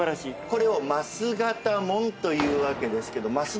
これを枡形門というわけですがます